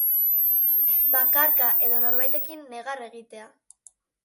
Bakarka edo norbaitekin negar egitea.